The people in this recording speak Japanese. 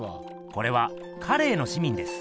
これは「カレーの市民」です。